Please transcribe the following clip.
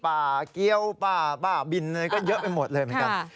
ป้าเกี้ยวป้าบินก็เยอะไปหมดเลย